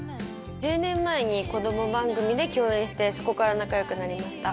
１０年前に子供番組で共演してそこから仲良くなりました。